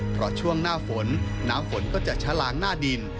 เพราะช่วงหน้าฝนน้ำฝนก็จะชะลางหน้าดิน